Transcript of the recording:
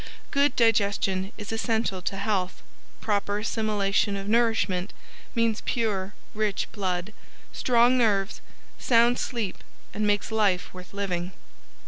Good digestion is essential to health; proper assimilation of nourishment means pure rich blood, strong nerves, sound sleep and makes life worth living.